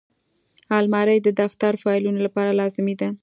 الماري د دفتر فایلونو لپاره لازمي ده